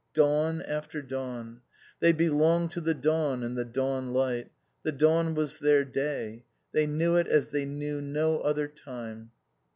Dawn after dawn. They belonged to the dawn and the dawn light; the dawn was their day; they knew it as they knew no other time.